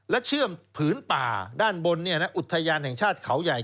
และเชื่อมผืนป่าด้านบนอุทยานแห่งชาติเขาใหญ่